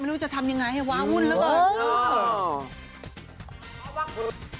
ไม่รู้จะทำยังไงไอ้วะวุ่นรึกับ